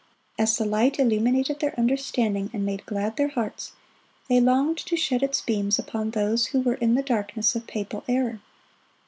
As the light illuminated their understanding and made glad their hearts, they longed to shed its beams upon those who were in the darkness of papal error.